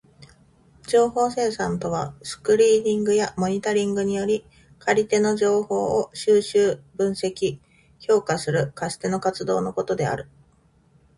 情報生産とはスクリーニングやモニタリングにより借り手の情報を収集、分析、評価する貸し手の活動のことである。